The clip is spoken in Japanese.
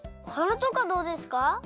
おはなとかどうですか？